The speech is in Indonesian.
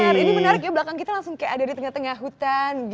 benar ini menarik ya belakang kita langsung kayak ada di tengah tengah hutan